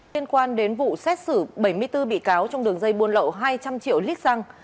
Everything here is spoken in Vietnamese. liên quan đến vụ xét xử bảy mươi bốn bị cáo trong đường dây buôn lậu hai trăm linh triệu lít xăng